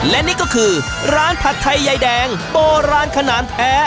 และนี่ก็คือร้านผัดไทยยายแดงโบราณขนาดแท้